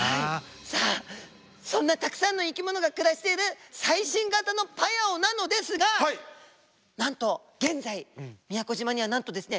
さあそんなたくさんの生き物が暮らしている最新型のパヤオなのですがなんと現在宮古島にはなんとですね